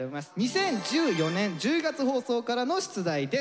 ２０１４年１０月放送からの出題です。